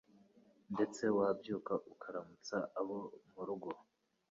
ndetse wabyuka ukaramutsa abo mu rugo